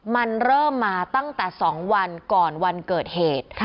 มันเริ่มมาตั้งแต่๒วันก่อนวันเกิดเหตุ